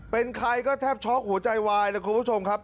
เป็นใครก็แทบช็อกหัวใจวายเลยคุณผู้ชมครับ